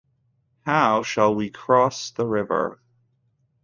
How shall we cross the river?